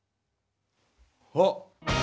あっ！